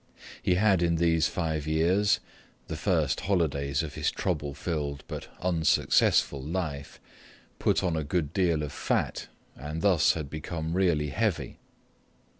He had in these five years, the first holidays of his trouble filled but unsuccessful life, put on a good deal of fat and thus had become really heavy.